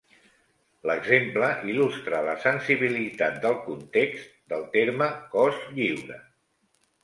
L'exemple il·lustra la sensibilitat del context del terme "cos lliure".